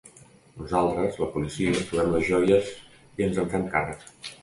Nosaltres, la policia, trobem les joies i ens en fem càrrec.